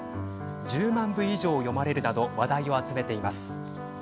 １０万部以上読まれるなど話題を集めています。